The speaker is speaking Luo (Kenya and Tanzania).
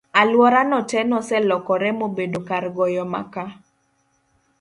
alwora no te noselokore mobedo kar goyo maka